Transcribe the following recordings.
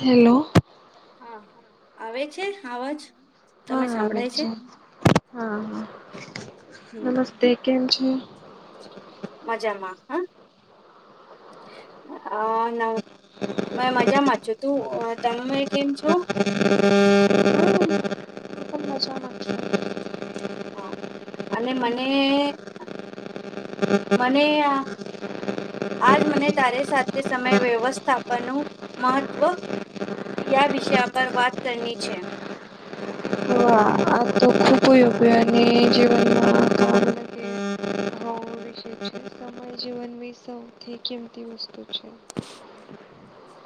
Hello. હા આવે છે આવાજ? હા આવે જ છે હા હા હમ નમસ્તે કેમ છે? મજામાં હા આ મેં મજામાં છું તું તમે કેમ છો? [inaudible] [inaudible] હા અને મને મને આ આજ મને તારે સાથે સમય વ્યવસ્થાપનનું મહત્વ યા વિષયા પર વાત કરની છે. [inaudible] આ તો હમ, ખૂબયોગની જીવનમાં [inaudible] થી કીમતી વસ્તુ છે.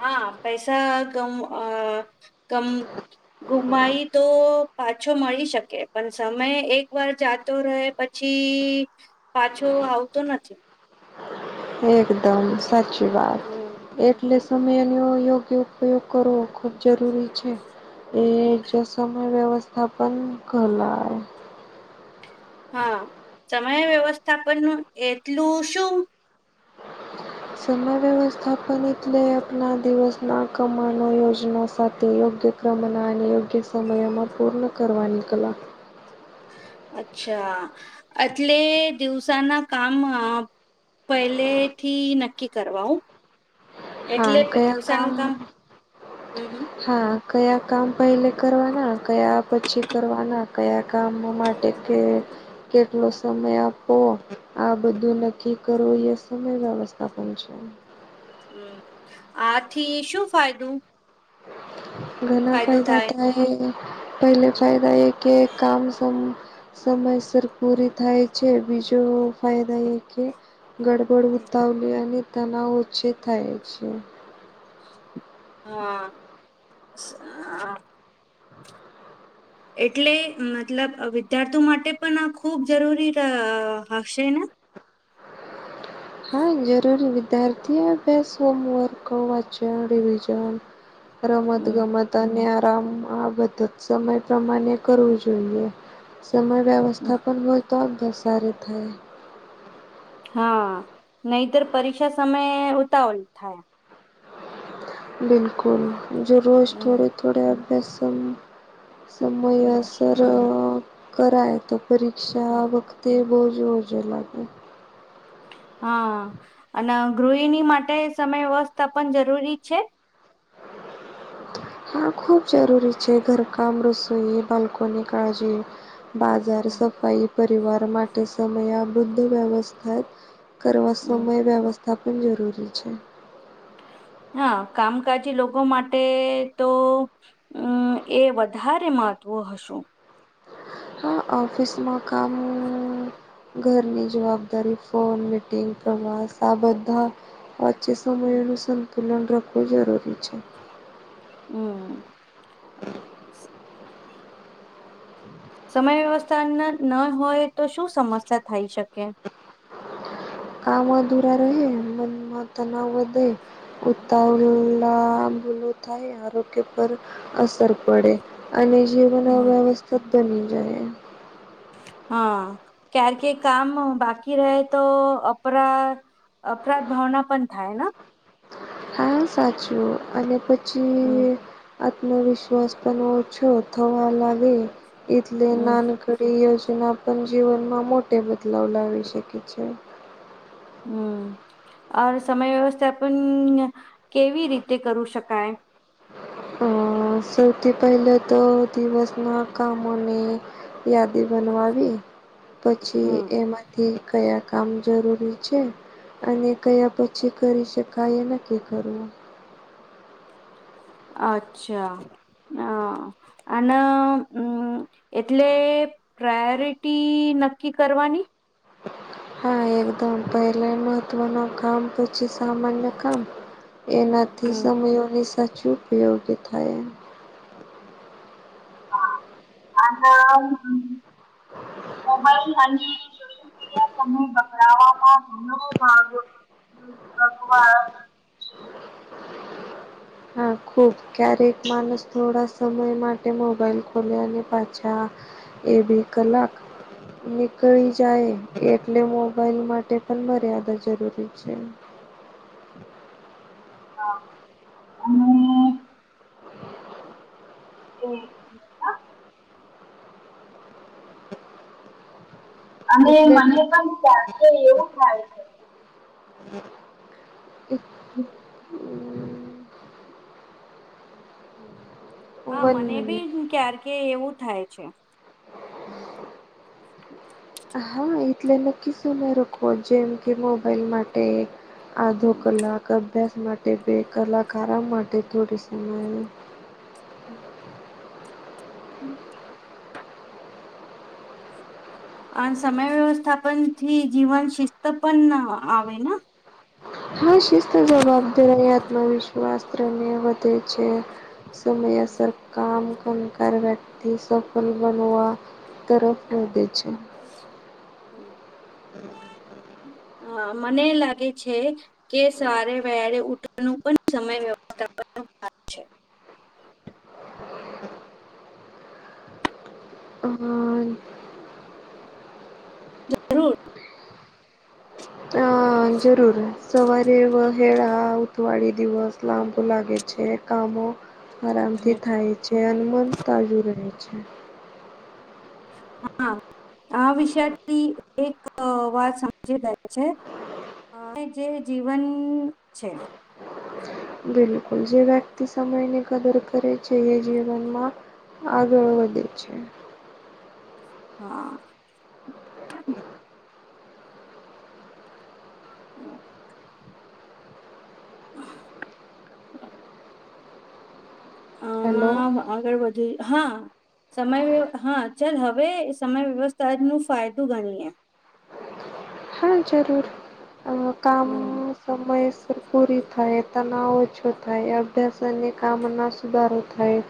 હા પૈસા કમ અ કમ ગુમાઈ તો પાછો મળી શકે પણ સમય એક વાર જાતો રહે પછી પાછો આવતો નથી. એકદમ સાચી વાત હમ એટલે હમ. સમુંય એની યોગ્ય ઉપયોગ કરવો ખૂબ જરૂરી છે. એ જ સમય વ્યવસ્થાપન કરલા હા સમય વ્યવસ્થાપનું એટલું શું? સમય વ્યવસ્થાપન એટલે દિવસના કમાનો યોજના સાથે યોગ્ય કમના અને યોગ્ય સમયમાં પૂર્ણ કરવાની કલા. અચ્છા એટલે દિવસાના કામ પહેલેથી નક્કી કરવા આવું. હા. કયા કામ હમ હમ હા. કયા કામ પહેલે કરવાના કયા પછી કરવાના કયા કામ માટે કે કેટલો સમય આપો આ બધું નક્કી કરવો એ સમય વ્યવસ્થા પણ છે હમ આથી શું ફાયદું ઘણા ફાયદા થાય તાય પહેલે હમ, ફાયદા એ કે કામ સં સમયસર પૂરી થાય છે બીજો ફાયદા એ કે ગડ ફળ હમ. ઉતાવલી અને તણવ ઓછે થાય છે [inaudible] હા એટલે મતલબ વિદ્યાર્થી માટે પણ આ ખૂબ જરૂરી હશે ને હા જરૂરી વિદ્યાર્થીએ અભ્યાસ હોમવર્ક વાચન રિવઝન રમત હમ ગમત તને આરામ આ બધા જ સમય પ્રમાણે કરવું જોઈએ સમય હમ. વ્યવસ્થા પણ હોય તો આમ સારી થાય હા નહીતર પરીક્ષા સમયે ઉતાવળ થાય બિલકુલ જો રોજ હમ થોડે થોડે અભ્યાસક્રમ હમ સમયસર કરાય તો હમ. પરીક્ષા વ ખતે બોજ ઓજો લાગે. હા અને ગૃહિણી માટે સમય વ્યવસ્થા પણ જરૂરી છે. હમ ખૂબ જરૂરી છે ઘરકામ રસોઈ બાળકોની કાળજી બાજાર સફાઈ પરિવાર માટે સમય આ બધું વ્યવસ્થા જ કરવા હમ સમય વ્યવસ્થા પણ જરૂરી છે હા કામકાજી લોકો માટે તો હમ્મ એ વધારે મહત્વ હશું. હા ઓફિસમાં કામ ઘરની જવાબદારી ફોન, મીટિંગ, પ્રવાસ આ બધા જે સમયનું સંતુલન રાખવું જરૂરી છે. હમ્મ. [inaudible] સમય વ્યવસ્થા ન ન હોય તો શું સમસ્યા થાય શકે? કામ અધુરા રહે, મનમાં તનાવ વધે. ઉતાવલા ભૂલું થાય, આરોગ્ય પર અસર પડે. અને જીવન અવ્યવસ્થિત બની જાય એમ. હા ક્યારકે કામ બાકી રહે તો અપરા અપરાધ ભાવના પણ થાય ન? હા સાચું, અને પછી હમ્મ. આત્મવિશ્વાસ પણ ઓછો થવા લાગે એથલે હમ ના નીક તે યોજના પણ જીવનમાં મોટી બદલાવ લાવી સકે છે. હમ્મ આ સમય વ્યવસ્થાપણ કેવી રીતે કરું શકાય? અ સૌથી પેહલા તો દિવસના કામની યાદી બનવાવી, પછી હમ એમાં થી કયા કામ જરૂરી છે અને કયા પછી કરી શકાય એ નક્કી કરવું. અચ્છા ના. અને હમ્મ એટલે પ્રાયોરિટી નક્કી કરવાની. [inaudible] હા એકદમ પેહલા મહત્ત્વનું કામ પછી સામાન્ય કામ. એનાથી હમ સમયોની સાચી ઉપયોગી થાય. આ હા, મોબાઈલ અને સોશિ યલ મીડિયા પ્રમાણે ભગડાવામાં ઘણો ભાગ ભજવાયો. હા ખૂબ ક્યારેક માણસ થોડા સમય માટે મોબાઈલ ખોલે અને પાછા એ બે કલાક નીકળી જાય. એટલે મોબાઈલ માટે પણ મર્યાદા જરૂરી છે. હા અને એ એક મિનિટ હ. અને એટલે મને પણ ક્યારથી એવું થાય છે હમ્મ. હ હા વન મને મિનિટ બી હું ક્યારકે એવું થાય છે. હા એટલે નક્કી સમય રખો જેમ કે મોબાઈલ માટે આધો કલાક, અભ્યાસ માટે બે કલાક, આરામ માટે થોડી સમય. હમ્મ. હમ્મ. અન સમય વ્યવસ્થાપન થી જીવન શિસ્ત પણ આવે ન? હા શિસ્ત, જવાબદારી, આત્મવિશ્વાસ ત્રણેવ વધે છે. સમયસર કામ કન કાર વ્યક્તિ સફલ બનવા તરફ વધે છે. હમ્મ. હમ્મ હમ્મ. હા મને લાગે છે, કે સારે વેલુ ઊઠવું ન પણ સમય વ જરૂર. હ જરૂર સવારે વ હેળ આવતું હોય એ દિવસ લાંબુ લાગે છે કામો, આરામથી થાય છે. એ અનુ મન તાજુ રહેે છે. હા. આ વિષયથી એક વાત સમજી ગઈ છે અને જે જીવન છે. બિલકુલ. જે વ્યક્તિ સમયની કદર કરે છે એ જીવનમાં આગળ વધે છે. હા. [inaudible] [inaudible] હેલો. આમાં આગળ વધી, હા? સમય, હા ચલ હવે સમય વ્યવસ્થા જ નું ફાયદો ગણીએ. હા જરૂર. અહ કામ હમ સમયસર પૂરી થાય, તનાવ ઓછો થાય, અભ્યાસ અને કામ માં સુધારો થાય.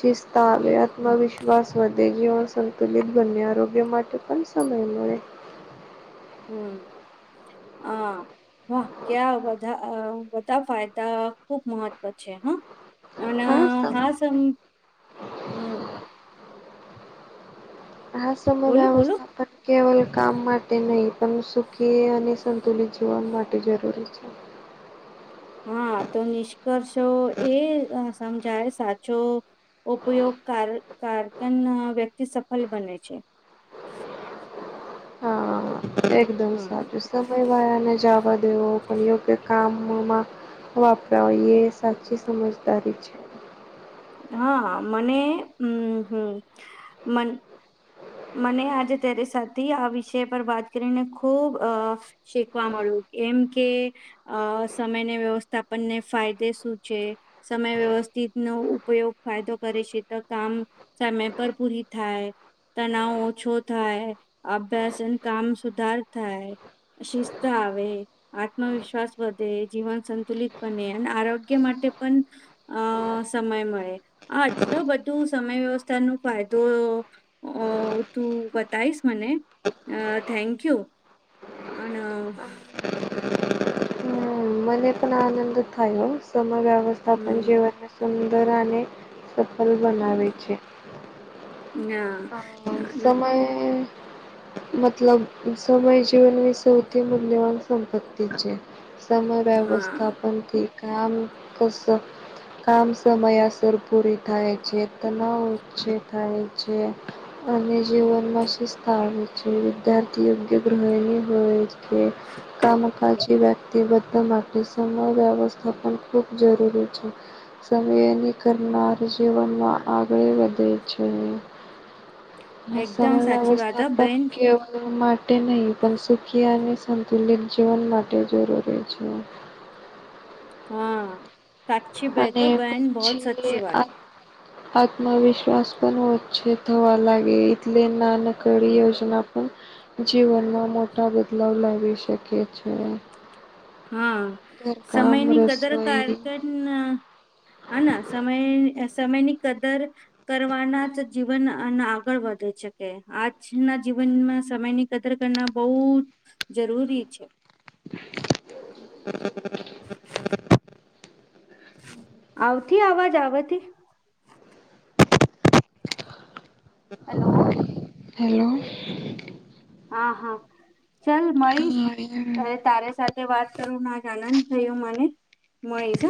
શિસ્તા હમ આવ્યા આત્મવિશ્વાસ વધે, જીવન સંતુલિત બંને, આરોગ્ય માટે પણ સમય મળે. હમ્મ, હા. વાહ! ક્યા બધા અહ બધા ફાયદા ખુબ મહત્વ છે હા. અને આ હા સં હમ્મ. હા સમય બોલો બોલો વ્યવસ્થાપન કેવલ કામ માટે નહીં પણ સુખી અને સંતુલિત જીવન માટે જરૂરી છે. હા. તો નિષ્કર્ષો એ સમજાય સાચો ઉપયોગકાર કારકન વ્યક્તિ સફલ બને છે. હા. એકદમ હમ સાચું. સમય વાયાને જાવા દેવો [unintelligible] કામમાં. વાપરાવાય એ સાચી સમજદારી છે. હા મને હમ હમ, મન મને આજે અત્યારે સાથે આ વિષય પર વાત કરીને ખૂબ અ શીખવા મળ્યું એમ કે અ સમયને વ્યવસ્થાપનને ફાયદે શું છે. સમય વ્યવસ્થિત નો ઉપયોગ ફાયદો કરે છે તો કામ સમય પર પૂરી થાય. તનાવ ઓછો થાય, અભ્યાસન કામ સુધાર થાય. શિસ્ત આવે. આત્મવિશ્વાસ વધે, જીવન સંતુલિત બને, અને આરોગ્ય માટે પણ અ સમય મળે, આ આટલો બધું સમય વ્યવસ્થા નો ફાયદો અ તું બતાવીશ મને, અ થેન્કયુ. અને અ હમ મને પણ આનંદ થાય સમય વ્યવસ્થાપન જીવન સુંદર અને, સફલ બનાવે છે. હા. હા સમય મતલબ સમય જીવનની સૌથી મૂલ્યવાન સંપત્તિ છે. સમય હા વ્યસ્થાપન થી કામ કસ કામ સમયાસર પૂરી થાય છે તનાવ ઓછે થાય છે, અને જીવનમાં સિસ્ત આવે છે વિદ્યાર્થી યોગ્ય ગ્રહિણી હોય છે, કામકા વ્યક્તિ બધા મા સમય વ્યવસ્થાપન ખૂબ જરૂરી છે. સમય ની કરનાર જીવનમાં આગળ વધે છે. હ એકદમ સમય સાચી વાત હ વ્યવસ્થાપન બેન કેવલ મા માટે નહીં પણ સુખી અને સંતુલિત જીવન માટે જરૂરી છે. હા સાક્ષી ભાઈ તો અને બહેન બહોત પછી સાચી વાત આ આત્મવિશ્વાસ પણ ઓછો થવા લાગે એટલે નાનક ઘડી યોજના પણ જીવનમાં મોટા બદલાવ લાવી શકી છે. હા ઘરકામ સમયની કદર રસોઈ કારકન હાના સમય સમય ની કદર કરવાના જ જીવન આગળ વધી શકે આજના જીવનમાં સમયની એ કદર કરના બહુ જરૂરી છે. હમ. આવતી અવાજ આવથી હેલો. હલો. હા હા ચલ મળીશ. હા એમ ત્યારે તારે સાથે વાત કરું મા જ આનંદ થયો મને મળીશ હ.